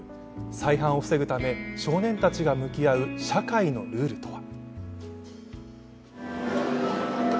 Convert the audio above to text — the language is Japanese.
再犯を防ぐため、少年たちが向き合う社会のルールとは。